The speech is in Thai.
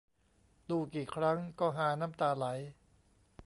ดูกี่ครั้งก็ฮาน้ำตาไหล